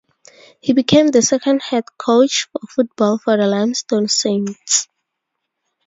He became the second head coach for football for the Limestone Saints.